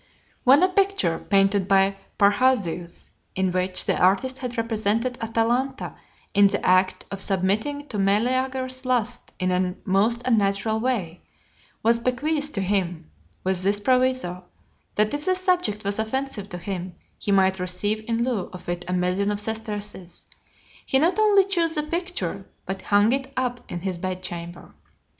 When a picture, painted by Parrhasius, in which the artist had represented Atalanta in the act of submitting to Meleager's lust in a most unnatural way, was bequeathed to him, with this proviso, that if the subject was offensive to him, he might receive in lieu of it a million of sesterces, he not only chose the picture, but hung it up in his bed chamber.